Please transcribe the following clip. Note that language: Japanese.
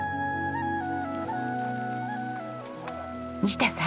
西田さん。